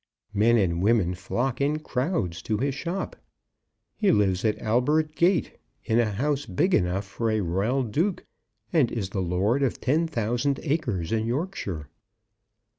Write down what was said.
Men and women flock in crowds to his shop. He lives at Albert Gate in a house big enough for a royal duke, and is the lord of ten thousand acres in Yorkshire.